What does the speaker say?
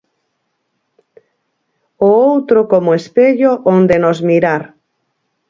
O outro como espello onde nos mirar.